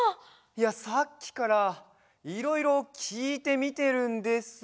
いやさっきからいろいろきいてみてるんですが。